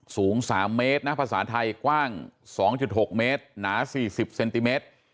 สูง๓เมตรนะภาษาไทยกว้าง๒๖เมตรหนา๔๐เซนติเมตร